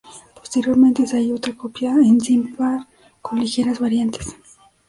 Posteriormente se halló otra copia en Sippar, con ligeras variantes.